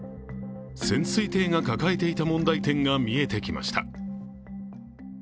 潜水艇が抱えていた問題点が見えてきました。